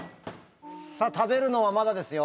さあ食べるのはまだですよ。